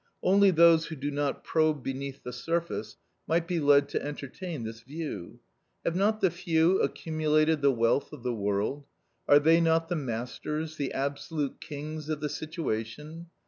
Only those who do not probe beneath the surface might be led to entertain this view. Have not the few accumulated the wealth of the world? Are they not the masters, the absolute kings of the situation?